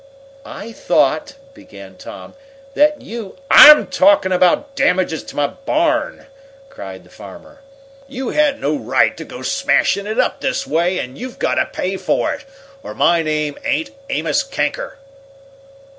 "I thought," began Tom, "that you " "I'm talkin' about damages to my barn!" cried the farmer. "You had no right to go smashing it up this way, and you've got to pay for it, or my name ain't Amos Kanker!"